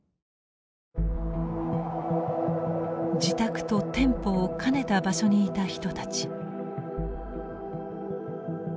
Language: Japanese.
自宅と店舗を兼ねた場所にいた人たち。